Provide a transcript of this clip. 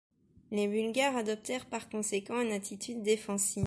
Les Bulgares adoptèrent par conséquent une attitude défensive.